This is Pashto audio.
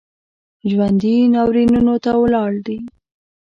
ژوندي ناورینونو ته ولاړ دي